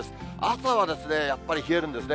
朝はやっぱり冷えるんですね。